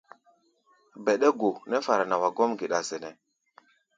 Bɛɗɛ́-go nɛ́ fara nɛ wa gɔ́m geɗa sɛnɛ́.